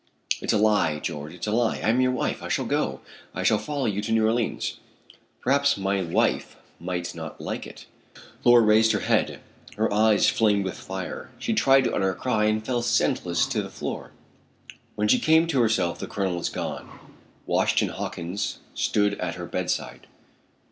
"It's a lie, George, it's a lie. I am your wife. I shall go. I shall follow you to New Orleans." "Perhaps my wife might not like it!" Laura raised her head, her eyes flamed with fire, she tried to utter a cry, and fell senseless on the floor. When she came to herself the Colonel was gone. Washington Hawkins stood at her bedside.